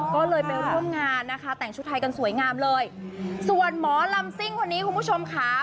ก็เลยไปร่วมงานนะคะแต่งชุดไทยกันสวยงามเลยส่วนหมอลำซิ่งคนนี้คุณผู้ชมค่ะ